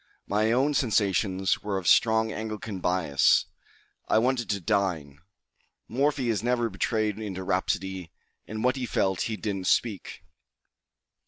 My own sensations were of strong Anglican bias. I wanted to dine. Morphy is never betrayed into rhapsody, and what he felt he didn't speak.